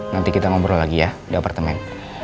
nanti kita ngobrol lagi ya di apartemen